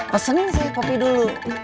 pesenin sih kopi dulu